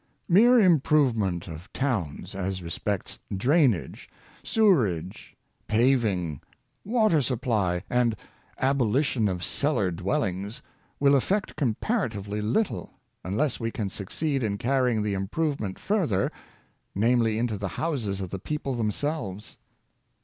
Mere improvement of towns, as respects drainage, sewerage, paving, water supply, and abolition of cellar dwellings, will effect comparatively little, unless we can succeed in carrying the improvement further — namely, into the houses of the people themselves.